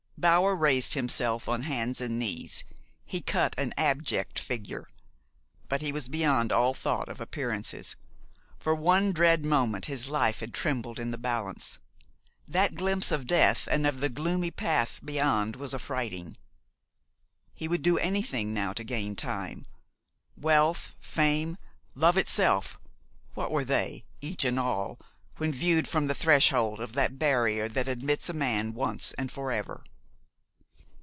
Bower raised himself on hands and knees. He cut an abject figure; but he was beyond all thought of appearances. For one dread moment his life had trembled in the balance. That glimpse of death and of the gloomy path beyond was affrighting. He would do anything now to gain time. Wealth, fame, love itself, what were they, each and all, when viewed from the threshold of that barrier which admits a man once and for ever?